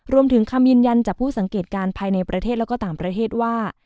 รวมถึงคำยืนยันจากผู้สังเกตการณ์ภายในประเทศแล้วก็ต่างประเทศว่า